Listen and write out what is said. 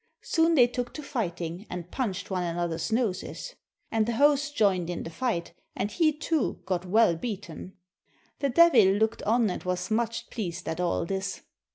Soon they took to fighting, and punched one another's noses. And the host joined in the fight, and he too got well beaten. The Devil looked on and was much pleased at all this.